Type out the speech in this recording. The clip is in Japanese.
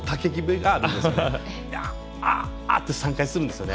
ヤー！ヤー！って３回するんですよね。